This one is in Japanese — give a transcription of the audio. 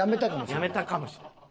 やめたかもしれん。